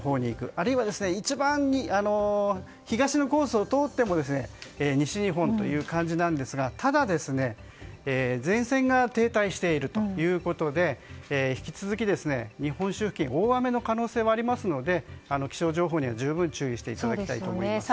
あるいは一番東のコースを通っても西日本という感じですがただ、前線が停滞しているということで引き続き、本州付近大雨の可能性もありますので気象情報には十分注意していただきたいと思います。